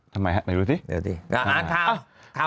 ทำไมมาดูซิดูซิแล้วอ่านข่าว